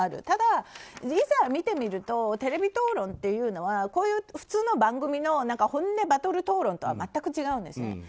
ただ、いざ見てみるとテレビ討論というのはこういう普通の番組の本音バトル討論とは全く違うんですね。